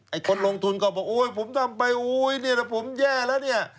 คนลงทุนก็บอกโอ๊ยผมทำไปโอ้ยเนี่ยถ้าผมแย่แล้วเนี่ย